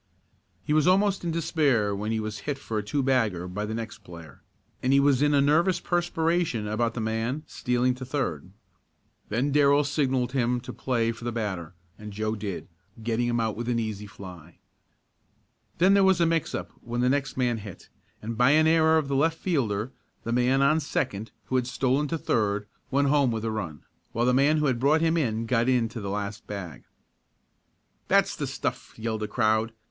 He was almost in despair when he was hit for a two bagger by the next player, and he was in a nervous perspiration about the man stealing to third. Then Darrell signalled him to play for the batter, and Joe did, getting him out with an easy fly. Then there was a mix up when the next man hit, and by an error of the left fielder the man on second, who had stolen to third, went home with a run, while the man who had brought him in got to the last bag. "That's the stuff!" yelled the crowd.